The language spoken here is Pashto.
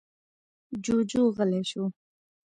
جُوجُو غلی شو.